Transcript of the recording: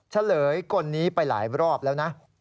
เฉลยกลนี้ไปหลายรอบแล้วนะ